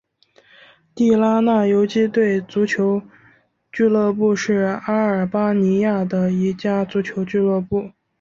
地拉那游击队足球俱乐部是阿尔巴尼亚的一家足球俱乐部。